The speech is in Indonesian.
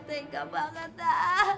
kemana kemana ku harus pergi